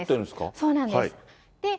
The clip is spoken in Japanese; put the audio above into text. そうなんです。